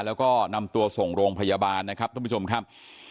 แล้วก็นำตัวส่งโรงพยาบาลนะครับท่านผู้ชมครับ